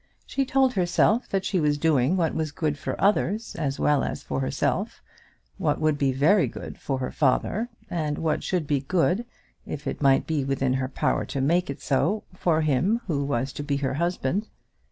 She told herself that she was doing what was good for others as well as for herself; what would be very good for her father, and what should be good, if it might be within her power to make it so, for him who was to be her husband.